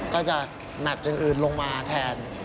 ก็จะแมทอย่างอื่นลงมาแทน